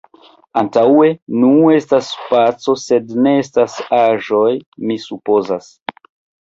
Antaŭe… Nu, estas spaco, sed ne estas aĵoj, mi supozas.